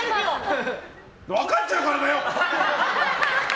分かっちゃうからだよ！